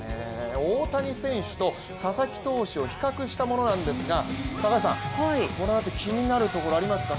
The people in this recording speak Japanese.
大谷選手と佐々木投手を比較したものなんですが御覧になって気になるところありますか？